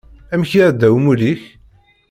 Amek iɛedda umulli-k?